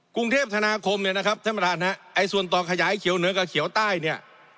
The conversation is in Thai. กรุงเทพธนาคมท่านประธานส่วนต่อขยายเขียวเหนือกับเขียวใต้